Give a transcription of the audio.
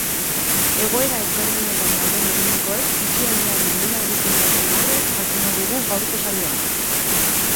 Egoera ezberdinetan dauden adinekoek itxialdiari nola egiten dioten aurre jakingo dugu gaurko saioan.